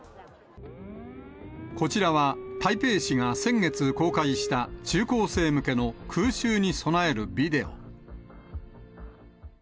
こちらは、台北市が先月公開した中高生向けの空襲に備えるビデオ。